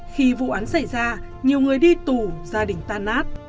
khi vụ án xảy ra nhiều người đi tù gia đình tan nát